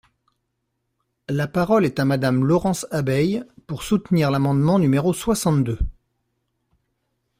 La parole est à Madame Laurence Abeille, pour soutenir l’amendement numéro soixante-deux.